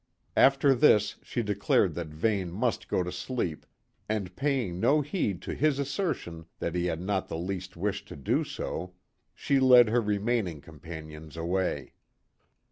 After this she declared that Vane must go to sleep, and paying no heed to his assertion that he had not the least wish to do so, she led her remaining companions away.